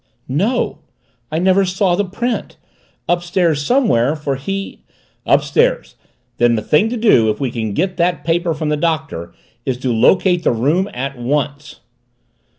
"No, I never saw the print. Upstairs somewhere, for he " "Upstairs! Then the thing to do, if we can get that paper from the Doctor, is to locate the room at once."